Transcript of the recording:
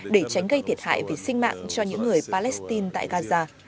để tránh gây thiệt hại về sinh mạng cho những người palestine tại gaza